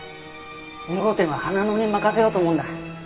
２号店は花野に任せようと思うんだ。